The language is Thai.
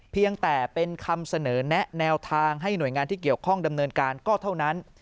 เพียงแต่เป็นคำเสนอแนะแนวทางให้หน่วยงานที่เกี่ยวข้องดำเนินการก็เท่านั้น